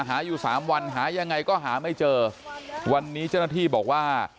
หาอยู่สามวันหายังไงก็หาไม่เจอวันนี้เจ้าหน้าที่บอกว่า